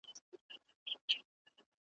خدایه زما له ښکلي ښاره زما له مسته کندهاره ,